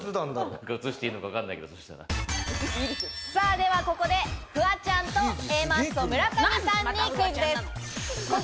ではここでフワちゃんとＡマッソ・村上さんにクイズです。